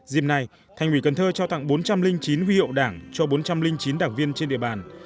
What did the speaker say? dìm nay thành ủy cần thơ trao tặng bốn trăm linh chín huy hậu đảng cho bốn trăm linh chín đảng viên trên địa bàn